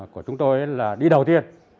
của chúng tôi đi đầu tiên